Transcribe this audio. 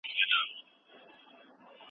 که سړی زده کړه، نو ډیر شیان زده کولای سي.